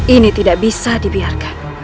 ini tidak bisa dibiarkan